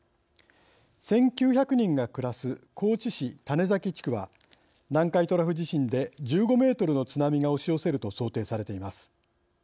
１９００人が暮らす高知市種崎地区は南海トラフ地震で１５メートルの津波が押し寄せると想定されています。